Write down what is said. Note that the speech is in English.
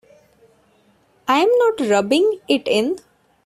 I'm not rubbing it in.